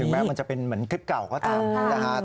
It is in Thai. ถึงแม้มันจะเป็นเหมือนคลิปเก่าก็ตาม